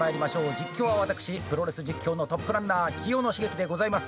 実況は、私プロレス実況のトップランナー清野茂樹でございます。